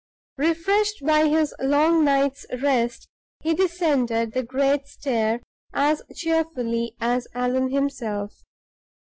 Refreshed by his long night's rest, he descended the great staircase as cheerfully as Allan himself.